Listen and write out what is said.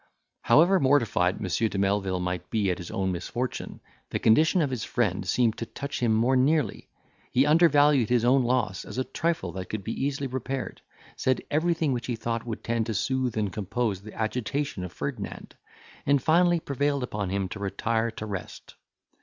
However mortified M. de Melvil might be at his own misfortune, the condition of his friend seemed to touch him more nearly; he undervalued his own loss as a trifle that could be easily repaired; said everything which he thought would tend to soothe and compose the agitation of Ferdinand; and finally prevailed upon him to retire to rest.